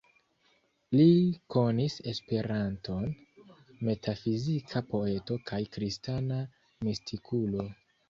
Li konis Esperanton, metafizika poeto kaj kristana mistikulo.